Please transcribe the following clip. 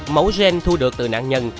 máu gen thu được từ nạn nhân